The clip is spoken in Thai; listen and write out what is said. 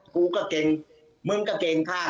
กูก็เก่งมึงก็เก่งค่ะ